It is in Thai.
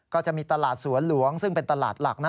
ก็จะมีตลาดสวนหลวงซึ่งเป็นตลาดหลัก